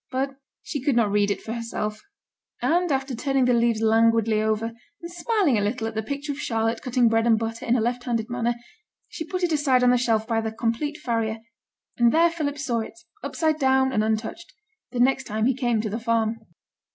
But she could not read it for herself; and after turning the leaves languidly over, and smiling a little at the picture of Charlotte cutting bread and butter in a left handed manner, she put it aside on the shelf by the Complete Farrier; and there Philip saw it, upside down and untouched, the next time he came to the farm.